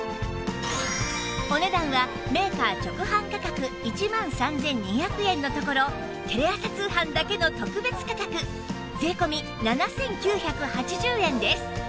お値段はメーカー直販価格１万３２００円のところテレ朝通販だけの特別価格税込７９８０円です